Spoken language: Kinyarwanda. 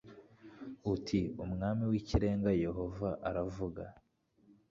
uti Umwami w Ikirenga Yehova aravuga